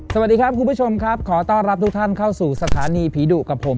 สวัสดีครับคุณผู้ชมครับขอต้อนรับทุกท่านเข้าสู่สถานีผีดุกับผม